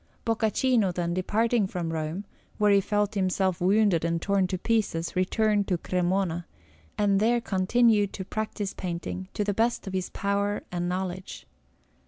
Boccaccino, then, departing from Rome, where he felt himself wounded and torn to pieces, returned to Cremona, and there continued to practise painting to the best of his power and knowledge.